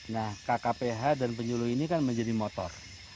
nah kkph dan penyuluh ini kan menjadi motor